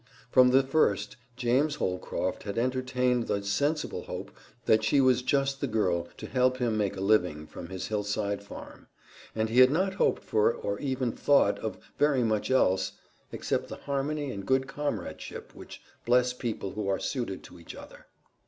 From the first, James Holcroft had entertained the sensible hope that she was just the girl to help him make a living from his hillside farm, and he had not hoped for or even thought of very much else except the harmony and good comradeship which bless people who are suited to each other.